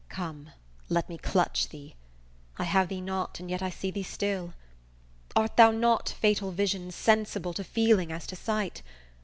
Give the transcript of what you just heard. Come, let me clutch thee; I have thee not, and yet I see thee still, Art thou not, fatal vision, sensible To feeling as to sight?